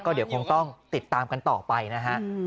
เดี๋ยวคงต้องติดตามกันต่อไปนะฮะ